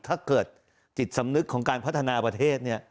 ถ้าเกิดจิตสำนึกของการพัฒนาประเทศเนี่ย